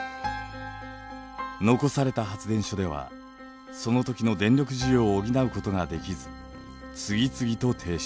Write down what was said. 残された発電所ではその時の電力需要を補うことができず次々と停止。